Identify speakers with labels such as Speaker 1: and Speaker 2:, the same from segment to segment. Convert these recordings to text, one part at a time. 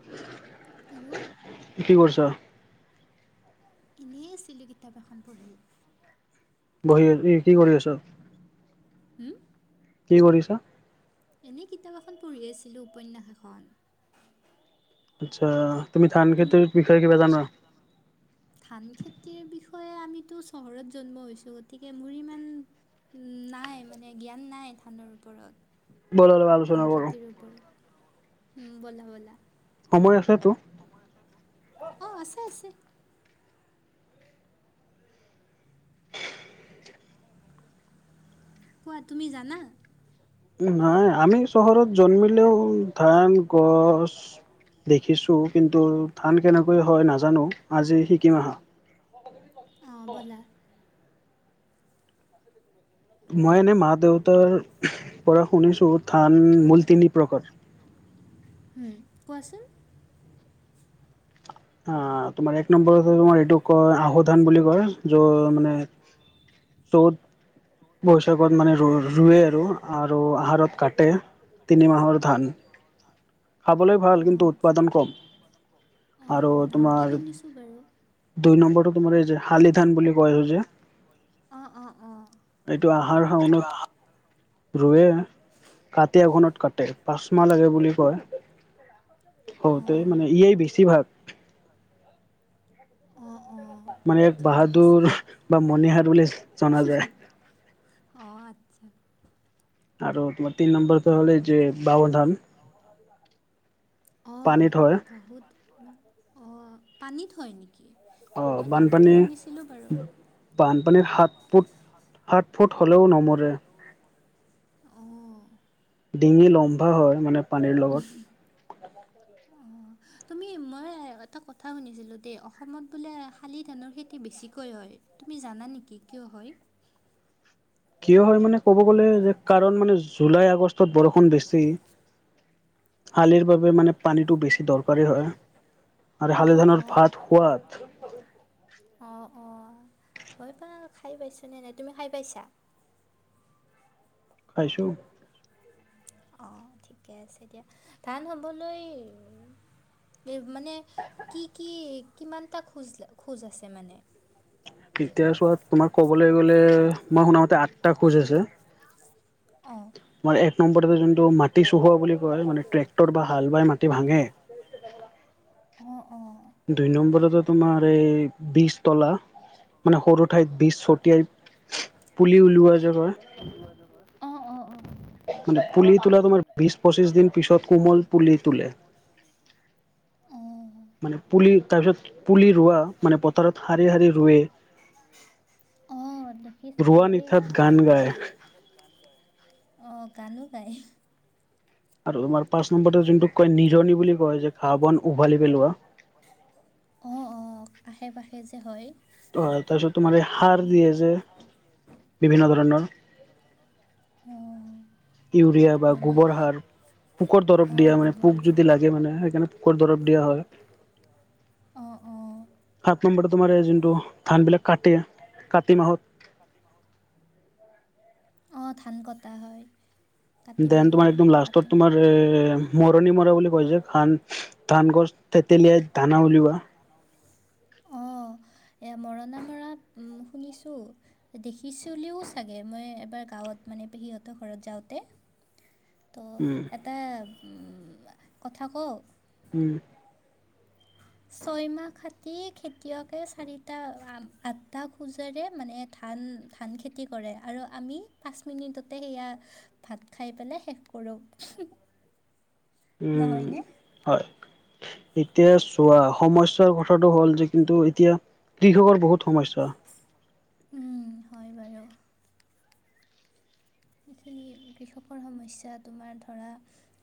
Speaker 1: অ',
Speaker 2: hello?
Speaker 1: কি কৰিছাঁ?
Speaker 2: এনেই আছিলোঁ, কিতাপ এখন পঢ়ি।
Speaker 1: বহি আছোঁ, কি কৰি আছাঁ?
Speaker 2: উম্।
Speaker 1: কি কৰিছাঁ?
Speaker 2: এনেই কিতাপ এখন পঢ়ি আছিলোঁ, উপন্যাস এখন।
Speaker 1: আচ্ছা, তুমি ধান খেতিৰ বিষয়ে কিবা জানাঁ!
Speaker 2: ধান খেতিৰ বিষয়ে, আমিতো চহৰত জন্ম হৈছোঁ। গতিকে মোৰ ইমান উম্, নাই মানে জ্ঞান নাই, ধানৰ ওপৰত। ধান খেতিৰ ওপৰত উম্, বলা বলা।
Speaker 1: সময় আছেটো।
Speaker 2: অ', আছে আছে। কোৱা, তুমি জানা।
Speaker 1: নাই, আমি চহৰত জন্মিলেও, ধান গছ দেখিছোঁ, কিন্তু ধান কেনেকৈ হয় নাজানোঁ। আজি শিকিম আহা।
Speaker 2: অ', ব'লা।
Speaker 1: মই এনেই মাত
Speaker 2: মই এনেই মা-দেউতাৰ পৰা শুনিছোঁ। থান মূলতি উম্, কোৱাচোন?
Speaker 1: অ', তোমাৰ এক নম্বৰ হ'ল, তোমাৰ এইটো কয় আহু ধান বুলি কয়, য' মানে চত। বৈশাখত মানে ৰ ৰুৱে আৰু। আৰু আহাৰত কাটে, তিনি মাহৰ ধান। ৰুবলৈ ভাল, কিন্ত উৎপাদন কম। আৰু তোমাৰ দুই নম্বৰটো তোমাৰ যে, শালি ধান বুলি কয়।
Speaker 2: অ'অ'অ'।
Speaker 1: এইটো আহাৰ, শাওনত ৰোৱে, কাটি আঘোনত কাটে। পাছ লাগে বুলি কয়, কওঁতে মানে, ইয়েই বেছিভাগ
Speaker 2: অ', অ', ঠিকে আছে দিয়া। অ আচ্ছা
Speaker 1: আৰু তোমাৰ তিনি নম্বৰটো হ'লে যে বাহুধান
Speaker 2: অ বাহু অ পানীত হয় নেকি?
Speaker 1: অহ বানপানী বানপানীৰ সাত ফুট সাত ফুট হ'লেও নমৰে
Speaker 2: অ
Speaker 1: ডিঙি লমভা হয় মানে পানীৰ লগত [unintelligible]
Speaker 2: তুমি মই এটা কথা শুনিছিলোঁ দেই অসমত বোলে শালি ধানৰ খেতি বেছিকৈ হয় তুমি জানা নেকি কিয় হয়?
Speaker 1: কিয় হয় মানে ক'ব গ'লে যে কাৰণ মানে জুলাই আগষ্টত বৰষুণ বেছি শালিৰ বাবে মানে পানীটো বেছি দৰকাৰী হয় আৰু শালি ধানৰ ভাত সোৱাদ
Speaker 2: অ অ মইপাৰ খাই পাইছো নে নাই তুমি খাই পাইছা?
Speaker 1: খাইছোঁ
Speaker 2: অ ঠিকে আছে দিয়া ধান হ'বলৈ এই মানে কি কি কিমানটা খোজ খোজ আছে মানে
Speaker 1: তেতিয়া চোৱা তোমাক ক'বলৈ গ'লে মই শুনামতে আঠ
Speaker 2: মই শুনা মতে আঠটা খোজ আছে, অ
Speaker 1: আমাৰ এক নম্বৰতে যোনটো মাটি চহোৱা বুলি কয় মানে ট্ৰেক্টৰ বা হাল বাই মাটি ভাঙে [unintelligible]
Speaker 2: অ অ
Speaker 1: দুই নম্বৰতে তোমাৰ এই বিজ তলা মানে সৰু ঠাইত বীজ ছটিয়াই পুলি উলিওৱা যে কয়।
Speaker 2: অ অ অ
Speaker 1: মানে পুলি তোলো তোমাৰ বিশ পঁচিশ দিন পিছত কোমল পুলি তোলে মানে পুলি তাৰপিছত পুলি ৰোৱা মানে পথাৰত শাৰী
Speaker 2: [unintelligible] অ দেখিছিলো এইয়া অ অ [unintelligible] অ গানো গাই
Speaker 1: আৰু তোমাৰ পাঁচ নম্বৰতে যোনটোক কয় নিজণি বুলি কয় যে ঘাঁহ বন উভালি পেলোৱা
Speaker 2: অ অ আশে পাশে যে হয়
Speaker 1: হয় তাৰপিছত তোমাৰ এই সাৰ দিয়ে যে বিভিন্ন ধৰণৰ
Speaker 2: অ মানে অ গোবৰ। [unintelligible] অ অ
Speaker 1: সাত নম্বৰ তোমাৰ এই যোনটো ধানবিলাক কাটে কাতি মাহত।
Speaker 2: অ ধান কটা হয়।
Speaker 1: দেন তোমাৰ একদম লাষ্টত তোমাৰ এ মৰণি মৰা বুলি কৈ যে খান। ধান গছ থেতেলিয়াই ধানা উলিওৱা।
Speaker 2: অ এয়া মৰণা মৰা শুনিছোঁ। দেখিছিলিও চাগে মই। এবাৰ গাঁৱত মানে পেহীহঁতৰ ঘৰত যাওঁতে ত'। এটা কথা কওঁ।
Speaker 1: উম।
Speaker 2: ছয়মাহ খাতি খেতিয়ে চাৰিটা আড্ডা। পূজাৰে মানে ধান, ধান খেতি কৰে আৰু আমি পাঁচ মিনিটতে এইয়া ভাত খাই পেলে শেষ কৰোঁ।
Speaker 1: উ হয়। এতিয়াচ হোৱা সমস্যাৰ কথাটো হ'ল যে কিন্তু এতিয়া কৃষকৰ বহুত সমস্যা।
Speaker 2: উ হয় বাৰু। হেখিনি, কৃষকৰ সমস্যা তোমাৰ ধৰা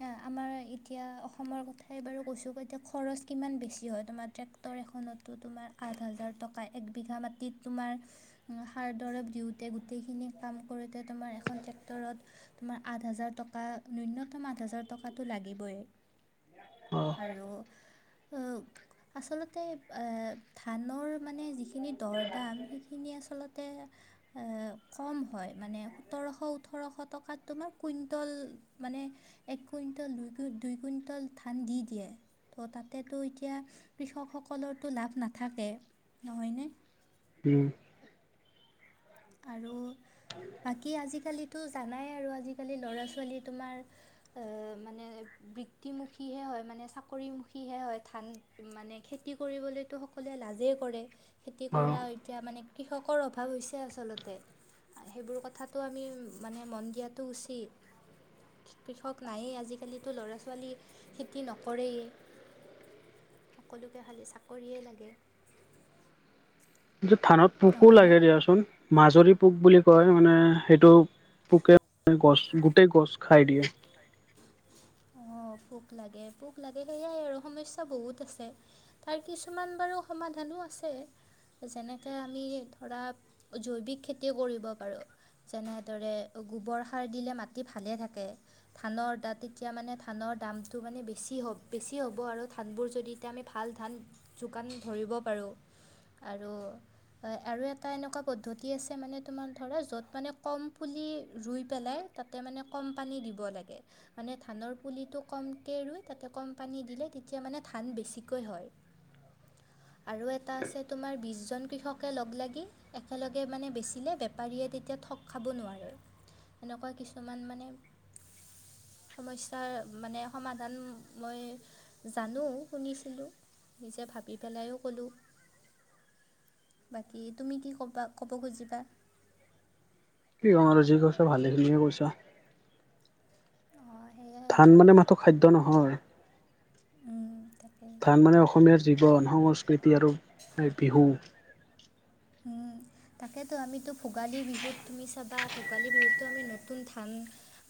Speaker 2: এয়া আমাৰ এতিয়া অসমৰ কথাই বাৰু কৈছোঁ, কৈতিয়াক খৰচ কিমান বেছি হয় তোমাৰ ট্ৰেক্ টৰ এখনতো তোমাৰ আঠ হাজাৰ টকা, একবিঘা মাটিত তোমাৰ সাৰ দৰৱ দিওঁতে, গোটেইখিনি কাম কৰোঁতে তোমাৰ এখন ট্ৰেক্টৰত তোমাৰ আঠ হাজাৰ টকা, নুন্যতম আঠ হাজাৰ টকাটো লাগিবই। আৰু আচলতে আ ধানৰ মানে যিখিনি দৰদাম হেখিনি আচলতে আ কম হয় মানে সো তৰশ ওঠৰশ টকাত তোমাৰ কুইণ্টল মানে এক কুইণ্টল, দুই কুই, দুই কুইণ্টল ধান দি দিয়ে। ত' তাতেতো এতিয়া কৃষকসকলৰতো লাভ নাথাকে নহয়নে?
Speaker 1: উ।
Speaker 2: আৰু বাকী আজিকালিতো জানাই আৰু আজিকালি ল'ৰা-ছোৱালী তোমাৰ অ' মানে বৃত্তিমুখীহে হয় মানে চাকৰিমুখীহে হয় ধান মানে খেতি কৰিবলৈতো সকলোৱে লাজেই কৰে। খেতি কৰা এতিয়া মানে কৃষকৰ অভাৱ হৈছ তে আচলতে। আ হেইবোৰ কথাটো আমি মানে মন দিয়াটো উচিত। কৃষক নাইয়েই আজি কালিতো ল'ৰা-ছোৱালী খেতি নকৰেই। সকলোকে খালি চাকৰিয়েই লাগে।
Speaker 1: [unintelligible] পোকো লাগে দিয়াচোন। মাজুলী পোক বুলি কয় মানে সেইটো পোকে গছ, গোটেই গছ খাই দিয়ে।
Speaker 2: অ' পোক লাগে, পোক লাগে সেইয়াই আৰু সমস্যা বহুত আছে। তাৰ কিছুমান বাৰু সমাধানো আছে। যেনে তে আমি ধৰা জৈৱিক খেতি কৰিব পাৰোঁ। যেনেদৰে গোবৰ সাৰ দিলে মাটি ভালে থাকে। ধানৰ দাত তেতিয়া মানে ধানৰ দামতটো মানে বেছি হব, বেছি হ'ব আৰু ধানবোৰ যদি এতিয়া আমি ভাল ধান যোগান ধৰিব পাৰোঁ আৰু আ আৰু এটা এনেকুৱা পদ্ধতি আছে মানে তোমাৰ ধৰা য'ত মানে কম পুলি ৰুই পেলাই তাতে মানে কম পানী দিব লাগে। মানে ধানৰ পুলিটো কমকে ৰুই তাতে কম পানী দিলে তেতিয়া মানে ধান বেছিকৈ হয়।
Speaker 1: [inaudible]
Speaker 2: আৰু এটা আছে তোমাৰ বিছ জন কৃষক কে লগ লাগি একেলগে মানে বেচিলে বেপাৰীয়ে তেতিয়া ঠগ খাব নোৱাই। এনেকুৱা কিছুমান মানে সমস্যাৰ মানে সমাধান মই জানো শুনিছিলোঁ, নিজে ভাবি পেলাইয়ো ক'লোঁ। বাকী তুমি কি ক'বা, ক'ব কুজিবা?
Speaker 1: কি ক'ম আৰু যি কছা ভালেইখিনিয়ে কৈছা।
Speaker 2: অ' হেইয়াই।
Speaker 1: ধান মানে মাথো খাদ্য নহয় ধান মানে অসমীয়াৰ জীৱন, সংস্কৃতি আৰু বিহু।
Speaker 2: উম তাকেতো আমিতো ভোগালী বিহুত তুমি চাবা ভোগালী বিহুতটো আমি নতুন ধান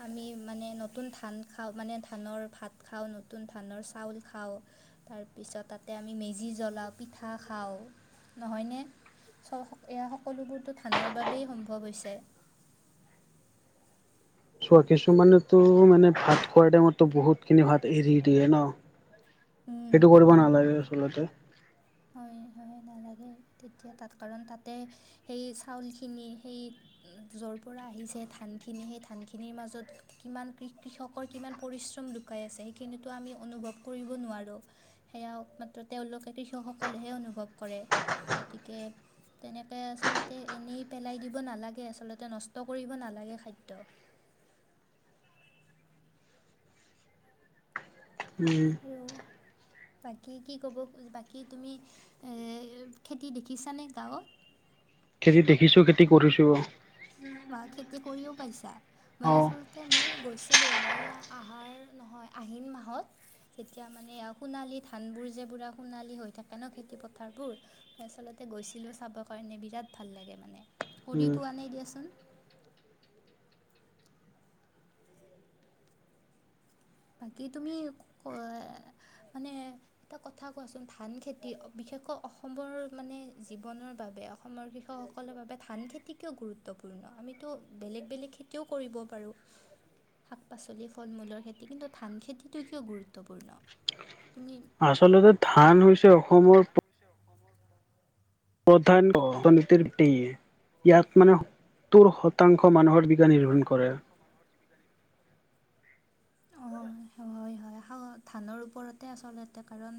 Speaker 2: আমি মানে নতুন ধান খাওঁ মানে, ধানৰ ভাত খাওঁ, নতুন ধানৰ চাউল খাওঁ তাৰপিছত তাতে আমি মেজি জ্বলাওঁ পিঠা খাওঁ নহয়নে চ এয়া সকলোবোৰতো ধানৰ বাবেই সম্ভৱ হৈছে।
Speaker 1: চোৱা কিছুমানেতো মানে ভাত খোৱাৰ টাইমতো বহুত খিনি ভাত এৰি দিয়ে ন সেইটো কৰিব নালাগে আচলতে
Speaker 2: নালাগে তেতিয়া তাত কাৰণ তাতে সেই চাউলখিনি সেই উম য'ৰ পৰা আহিছে ধানখিনি সেই ধানখিনিৰ মাজত কিমান কৃ কৃষকৰ কিমান পৰিশ্ৰম লুকাই আছে সেইখিনিতো আমি অনুভৱ কৰিব নোৱাৰোঁ। সেয়া একমাত্ৰ তেওঁলোকে কৃষকসকলেহে অনুভৱ কৰে গতিকে তেনেকে আচলতে এনেই পেলাই দিব নালাগে আচলতে নষ্ট কৰিব নালাগে খাদ্য।
Speaker 1: উম
Speaker 2: [unintelligible] বাকী কি ক'ব বাকী তুমি এ খেতি দেখিছানে গাঁৱ?
Speaker 1: খেতি দে
Speaker 2: খেতি দেখিছো খেতি কৰিছোঁও। বা খেতি কৰিও পাইছা মই আচল তে মই গৈছিলোঁ মই আহাৰ নহয় আহিন মাহত তেতিয়া মানে সোণালী ধানবোৰ যে পুৰা সোণালী হৈ থাকে ন খেতি পথাৰবোৰ মই আচলতে গৈছিলো চাব কাৰণে বিৰাট ভাল লাগে মানে কৰি পোৱা নাই দিয়াচোন। বাকী তুমি ক এ মানে এটা কথা কোৱাচোন ধান খেতি বিশেষকৈ অসমৰ মানে জীৱনৰ বাবে অসমৰ কৃষকসকলৰ বাবে ধান খেতি কিয় গুৰুত্বপূৰ্ণ আমিতো বেলেগ বেলেগ খেতিও কৰিব পাৰোঁ শাক-পাচলি, ফল-মূলৰ খেতি কিন্তু ধান খেতিটো কিয় গুৰুত্বপূৰ্ণ
Speaker 1: আচলতে ধান হৈছে অসমৰ
Speaker 2: তেওঁ অসমৰ [unintelligible]
Speaker 1: প্ৰধান অৰ্থনীতিৰ ইয়াত মানে সত্তৰ শতাংশ মানুহৰ বিকা নিৰ্ভণ কৰে [unintelligible]
Speaker 2: হয় হয় হাৱ ধানৰ ওপৰতে আচলতে কাৰণ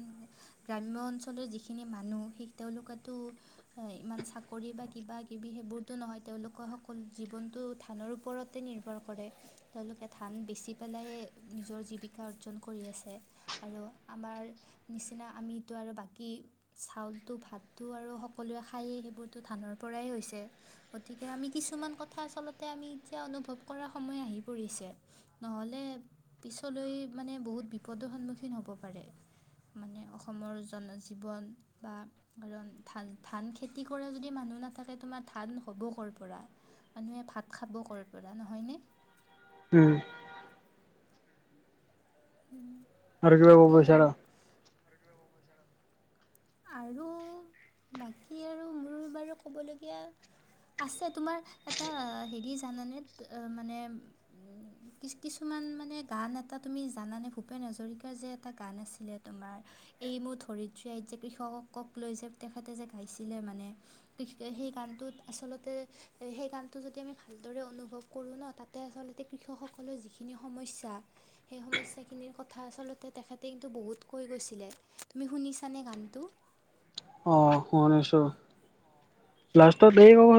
Speaker 2: গ্ৰাম্য অঞ্চলৰ যিখিনি মানুহ সেই তেওঁলোকেতো ইমান চাকৰি বা কিবা কিবি সেইবোৰতো নহয় তেওঁলোকৰ সকল জীৱনটো ধানৰ ওপৰত তে নিৰ্ভৰ কৰে তেওঁলোকে ধান বেচি পেলাই নিজৰ জীৱিকা অৰ্জন কৰি আছে আৰু আমাৰ নিচিনা আমিতো আৰু বাকী চাউলটো ভাতটো আৰু সকলোৱে খায়েই সেইবোৰতো ধানৰ পৰাই হৈছে গতিকে আমি কিছুমান কথা আচলতে আমি এতিয়া অনুভৱ কৰ সময় আহি পৰিছে। নহ'লে পিছলৈ মানে বহুত বিপদৰ সন্মুখীন হ'ব পাৰে। মানে অসমৰ জনৰ জীৱন বা কাৰণ ধান ধান খেতি কৰাৰ যদি মানুহ নাথাকে তোমাৰ ধান হ'ব ক'ৰ পৰা মানুহে ভাত খাব ক'ৰ পৰা নহয়নে?
Speaker 1: উম
Speaker 2: উম তাকে আৰু
Speaker 1: [unintelligible]
Speaker 2: আৰু বাকী আৰু মোৰ বাৰু ক'বলগীয়া? আছে তোমাৰ মানে এটা হেৰি জানানে অ মানে উ কিছ কিছুমান মানে গান এটা তুমি জানানে? ভূপেন হাজৰিকাৰ যে এটা গান আছিলে তোমাৰ এই মোৰ ধৰিত্ৰী আইত যে কৃষকক লৈ যে তেখেতে যে গাইছিলে মানে, কৃষকে সেই গানটোত আচলতে? সেই গানটো যদি আমি ভালদৰে অনুভৱ কৰো ন তাতে আচলতে কৃষকসকলৰ যিখিনি সমস্যা? সেই সমইছ? স্যা খিনিৰ কথা আচলতে তেখেতে কিন্তু বহুত কৈ গৈছিলে তুমি শুনিছানে গানটো,
Speaker 1: অ', শুনিছোঁ লাষ্টত এই ক'ব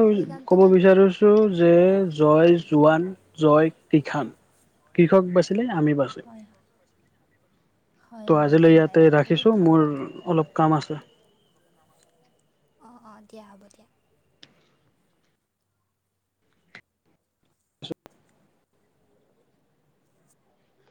Speaker 1: ক'ব বিচাৰোছ? টো যে জয় জোৱান, জয় কৃষাণ, কৃষক বাচিলে আমি বাচ?
Speaker 2: হয় হয়, হয় হয় সেইয়াই আৰু বহুত ভাল কথা অঁ অঁ দিয়া হ'ব দিয়া,